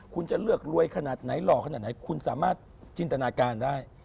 คุณจะเลือกรวยขนาดไหนหล่อขนาดไหนคุณสามารถจินตนาการได้